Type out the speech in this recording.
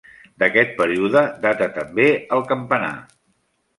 D'aquest període data també el campanar.